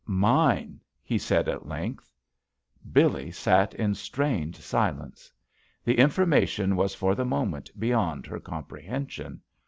"Mine," he said, at length. Billee sat in strained silence. The information was for the moment beyond her comprehension.